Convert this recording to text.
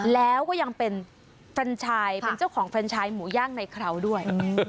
แล้วก็ยังเป็นเจ้าของเฟิร์นชายหมูย่างในคร่าวด้วย